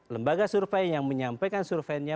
lembaga survei yang menyampaikan surveinya